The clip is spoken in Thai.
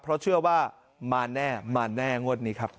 เพราะเชื่อว่ามาแน่มาแน่งวดนี้ครับ